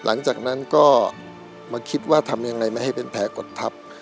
หลังจากนั้นก็มาคิดว่าทำยังไงไม่ให้เป็นแผลกดทับ